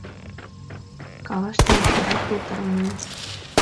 Каваште лоптыра пыл тарванен.